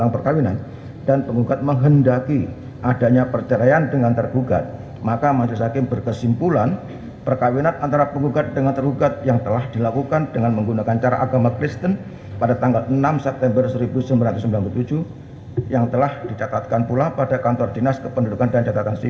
pertama penggugat akan menerjakan waktu yang cukup untuk menerjakan si anak anak tersebut yang telah menjadi ilustrasi